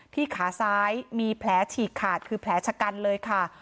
ขาซ้ายมีแผลฉีกขาดคือแผลชะกันเลยค่ะ